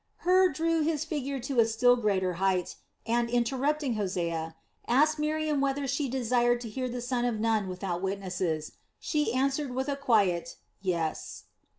Hur drew his figure to a still greater height and, interrupting Hosea, asked Miriam whether she desired to hear the son of Nun without witnesses; she answered with a quiet "yes."